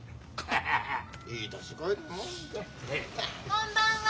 ・こんばんは！